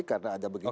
karena ada begini